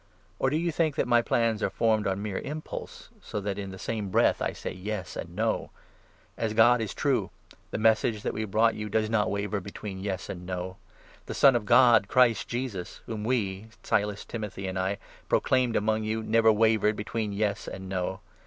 Or do you think that my plans are formed on mere impulse, so that in the same breath I say ' Yes ' and ' No '? As God is true, the Message that we brought you 18 does not waver between ' Yes ' and ' No '! The Son of God, 19 Christ Jesus, whom we — Silas, Timothy, and I — proclaimed among you, never wavered between 'Yes ' and ' No.'